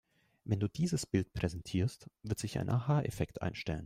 Wenn du dieses Bild präsentierst, wird sich ein Aha-Effekt einstellen.